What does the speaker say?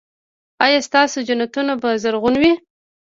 ایا ستاسو جنتونه به زرغون وي؟